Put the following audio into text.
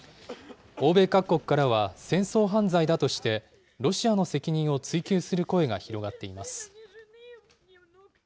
欧米各国からは戦争犯罪だとして、ロシアの責任を追及する声が広がっています。